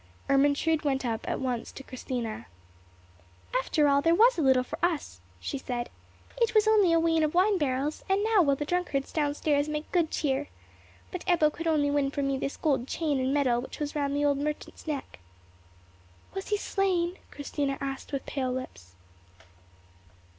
Ermentrude went up at once to Christina. "After all there was little for us!" she said. "It was only a wain of wine barrels; and now will the drunkards down stairs make good cheer. But Ebbo could only win for me this gold chain and medal which was round the old merchant's neck." "Was he slain?" Christina asked with pale lips.